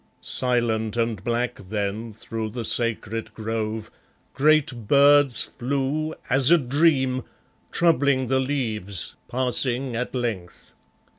Silent and black then through the sacred grove Great birds flew, as a dream, troubling the leaves, passing at length.